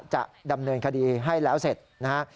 จะดำเนินคดีให้แล้วเสร็จนะฮะ